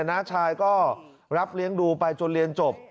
น้าชายก็รับเลี้ยงดูไปจนเรียนจบ